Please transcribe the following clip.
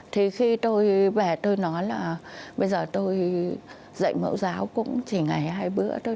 thì khi tôi bẻ tôi nói là bây giờ tôi dạy mẫu giáo cũng chỉ ngày hai bữa thôi